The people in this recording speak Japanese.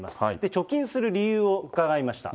貯金する理由を伺いました。